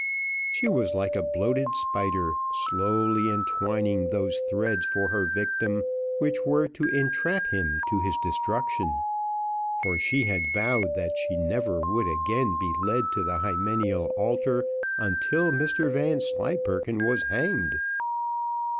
She was like a bloated spider, slowly entwining those threads for her victim which were to entrap him to his destruction, for she had vowed that she never would again be led to the hymeneal altar until Mr Vanslyperken was hanged.